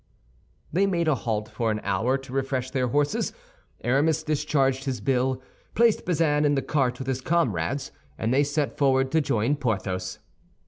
They made a halt for an hour to refresh their horses. Aramis discharged his bill, placed Bazin in the cart with his comrades, and they set forward to join Porthos.